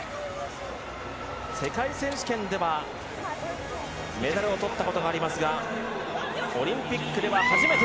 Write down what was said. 世界選手権ではメダルをとったことがありますがオリンピックでは初めて。